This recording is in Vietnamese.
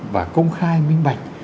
và công khai minh bạch